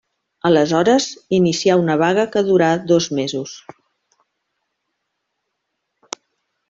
Aleshores, inicià una vaga que durà dos mesos.